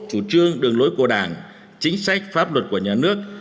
chủ trương đường lối của đảng chính sách pháp luật của nhà nước